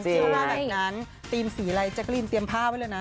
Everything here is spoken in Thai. ว่าแบบนั้นธีมสีอะไรแจ๊กรีนเตรียมผ้าไว้เลยนะ